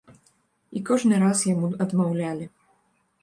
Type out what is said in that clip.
І кожны раз яму адмаўлялі.